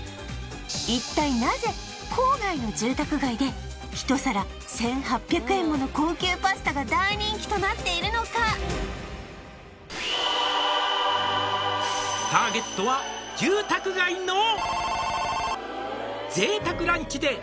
一体なぜ郊外の住宅街で一皿１８００円もの高級パスタが大人気となっているのかこんにちは北斗晶です